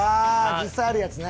実際あるやつね。